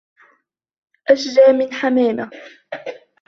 أشجى من حمامة